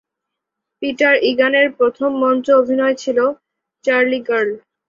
Peter ইগানের প্রথম মঞ্চ অভিনয় ছিল 'চার্লি গার্ল'।